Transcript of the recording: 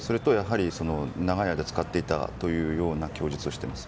長い間使っていたという供述をしています。